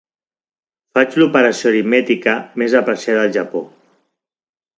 Faig l'operació aritmètica més apreciada al Japó.